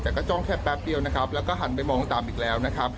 แต่ก็จ้องแค่แป๊บเดียวนะครับแล้วก็หันไปมองตามอีกแล้วนะครับ